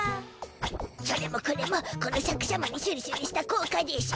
それもこれもこのシャクしゃまにシュリシュリしたこうかでしゅ！